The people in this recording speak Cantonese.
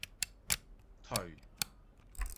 頹